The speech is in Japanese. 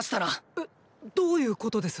え⁉どういうことです